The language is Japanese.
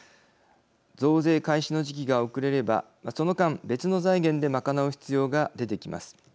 増税開始の時期が遅れればその間、別の財源で賄う必要が出てきます。